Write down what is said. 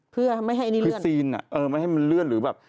เพื่อไม่ให้อันนี้เลยคือซีนอ่ะเออไม่ให้มันเลื่อนหรือแบบ